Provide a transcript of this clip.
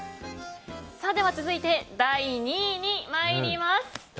続いて、第２位に参ります。